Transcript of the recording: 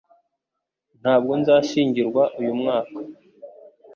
Ntabwo nzashyingirwa uyu mwaka